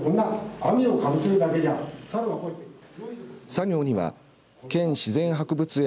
作業には、県自然博物園